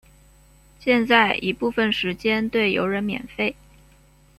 现在已部分时间对游人免费。